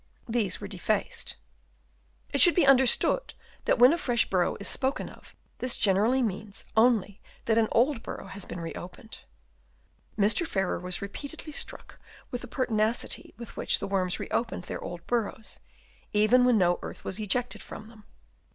These were defaced. It should be understood that when a fresh burrow is spoken of, this generally means only that an old burrow has been re opened. Mr. Farrer was repeatedly struck with the pertinacity with which the worms re opened their old burrows, even when no earth was ejected from them.